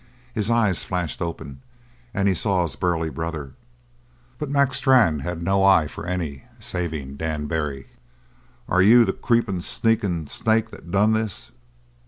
His eyes flashed open; and he saw his burly brother. But Mac Strann had no eye for any saving Dan Barry. "Are you the creepin', sneakin' snake that done this?"